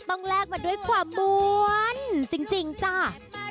แลกมาด้วยความม้วนจริงจ้า